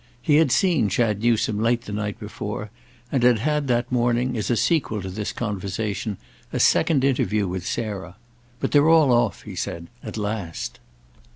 He had seen Chad Newsome late the night before, and he had had that morning, as a sequel to this conversation, a second interview with Sarah. "But they're all off," he said, "at last."